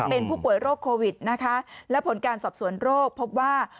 เป็นผู้ป่วยโรคโควิดนะคะและผลการสอบสวนโรคพบว่า